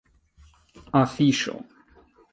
afiŝo